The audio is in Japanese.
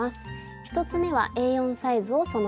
１つ目はＡ４サイズをそのまま使用。